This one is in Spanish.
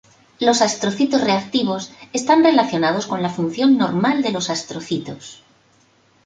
Los astrocitos reactivos están relacionados con la función normal de los astrocitos.